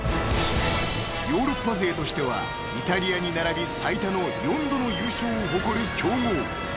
［ヨーロッパ勢としてはイタリアに並び最多の４度の優勝を誇る強豪］